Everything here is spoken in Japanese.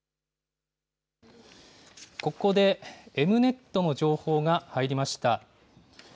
ここでＥｍ−Ｎｅｔの情報が入りました。